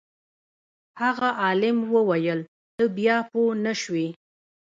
هغه عالم وویل ته بیا پوه نه شوې.